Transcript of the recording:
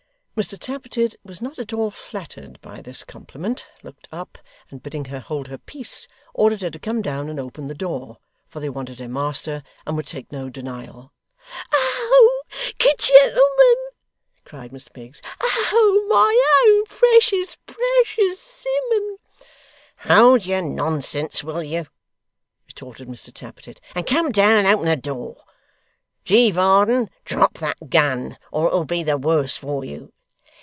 Mr Tappertit, who was not at all flattered by this compliment, looked up, and bidding her hold her peace, ordered her to come down and open the door, for they wanted her master, and would take no denial. 'Oh good gentlemen!' cried Miss Miggs. 'Oh my own precious, precious Simmun ' 'Hold your nonsense, will you!' retorted Mr Tappertit; 'and come down and open the door. G. Varden, drop that gun, or it will be worse for you.